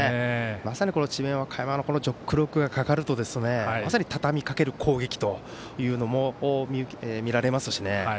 まさに智弁和歌山の「ジョックロック」がかかるとまさに畳みかける攻撃が見られますしね。